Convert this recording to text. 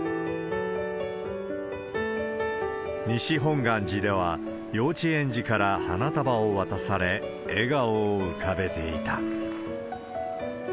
西本願寺では、幼稚園児から花束を渡され、笑顔を浮かべていた。